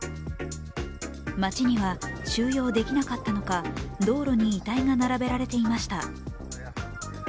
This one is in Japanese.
町には、収容できなかったのか道路に遺体が並べられていました。